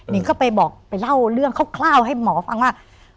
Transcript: งก็ไปบอกไปเล่าเรื่องคร่าวให้หมอฟังว่า